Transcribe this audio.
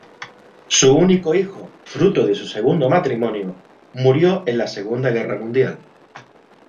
Su único hijo, fruto de su segundo matrimonio, murió en la Segunda Guerra Mundial.